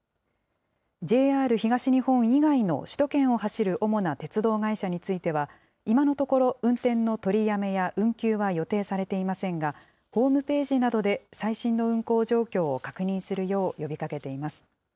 ＪＲ東日本以外の首都圏を走る主な鉄道会社については、今のところ運転の取りやめや運休は予定されていませんが、ホームページなどで最新の運行状況を確認するよう呼びかけています。